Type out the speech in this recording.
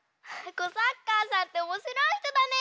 コサッカーさんっておもしろいひとだね！